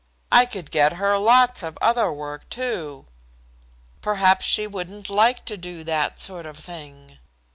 I could get her lots of other work, too." "Perhaps she wouldn't like to do that sort of thing."